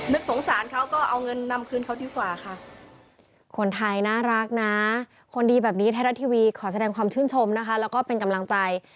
นึกสงสารเขาก็เอาเงินนำคืนเขาดีกว่าค่ะ